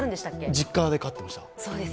実家で飼っていました。